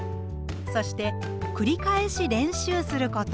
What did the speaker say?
そしてくり返し練習すること。